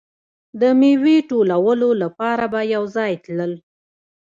د میوې ټولولو لپاره به یو ځای تلل.